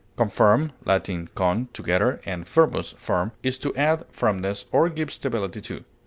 Confirm (L. con, together, and firmus, firm) is to add firmness or give stability to.